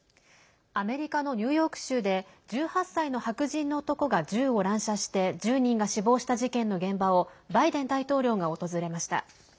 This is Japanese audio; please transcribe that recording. アメリカのニューヨーク州で１８歳の白人の男が銃を乱射して１０人が死亡した事件の現場をバイデン大統領が訪れました。